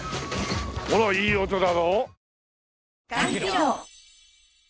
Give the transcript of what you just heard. ほらいい音だろ？